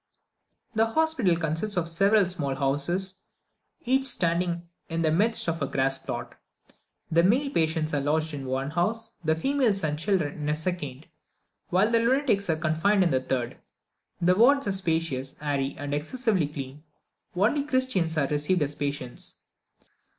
The Hospital consists of several small houses, each standing in the midst of a grass plot. The male patients are lodged in one house, the females and children in a second, while the lunatics are confined in the third. The wards were spacious, airy, and excessively clean. Only Christians are received as patients.